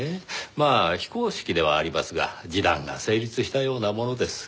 まあ非公式ではありますが示談が成立したようなものです。